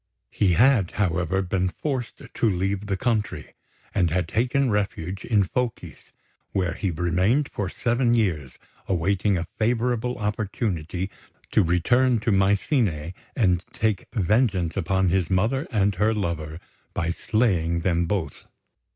He had, however, been forced to leave the country, and had taken refuge in Phocis, where he remained for seven years, awaiting a favourable opportunity to return to Mycene and take vengeance upon his mother and her lover by slaying them both.